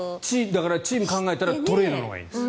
チームを考えたらトレードのほうがいいんです。